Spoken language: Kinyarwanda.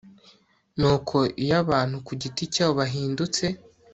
nuko iyo abantu ku giti cyabo bahindutse